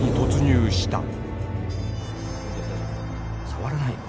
触らないよ。